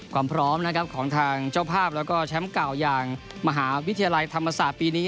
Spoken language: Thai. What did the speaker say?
ความพร้อมนะครับของทางเจ้าภาพแล้วก็แชมป์เก่าอย่างมหาวิทยาลัยธรรมศาสตร์ปีนี้